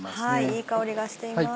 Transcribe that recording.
いい香りがしています。